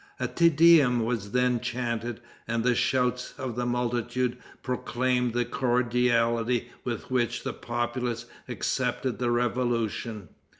A Te Deum was then chanted, and the shouts of the multitude proclaimed the cordiality with which the populace accepted the revolution.